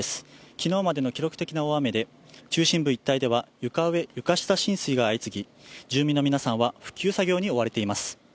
昨日までの記録的な大雨で中心部一帯では床上・床下浸水が相次ぎ住民の皆さんは復旧作業に追われています。